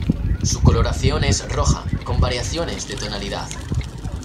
Su coloración es roja, con variaciones de tonalidad.